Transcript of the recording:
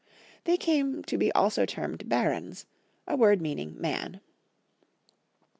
They came to be also termed Barons, a word meaning man.